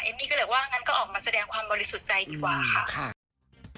มี่ก็เลยว่างั้นก็ออกมาแสดงความบริสุทธิ์ใจดีกว่าค่ะ